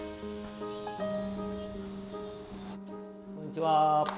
こんにちは。